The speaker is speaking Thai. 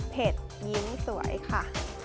เผ็ดยิ้มสวยค่ะ